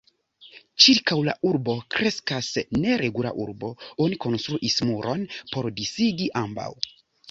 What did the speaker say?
Ĉirkaŭ la urbo kreskas neregula urbo, oni konstruis muron por disigi ambaŭ.